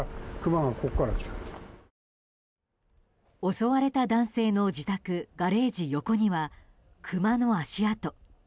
襲われた男性の自宅ガレージ横にはクマの足跡。